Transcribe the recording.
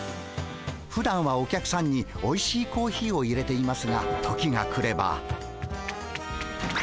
ふだんはお客さんにおいしいコーヒーをいれていますが時が来れば。